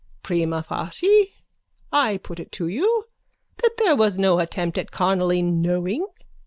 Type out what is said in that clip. Prima facie, I put it to you that there was no attempt at carnally knowing.